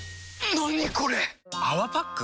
何これ⁉「泡パック」？